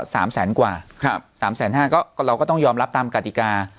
สามแสนกว่าครับสามแสนห้าก็เราก็ต้องยอมรับตามกติกา